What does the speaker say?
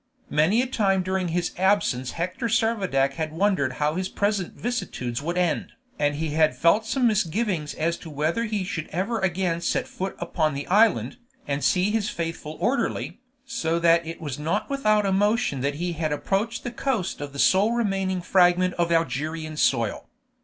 Many a time during his absence Hector Servadac had wondered how his present vicissitudes would end, and he had felt some misgivings as to whether he should ever again set foot upon the island, and see his faithful orderly, so that it was not without emotion that he had approached the coast of the sole remaining fragment of Algerian soil.